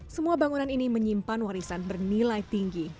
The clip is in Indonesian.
semua bangunan ini menyimpan warisan bernilai tinggi